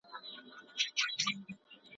مازیګر چي وي په ښکلی او ګودر په رنګینیږي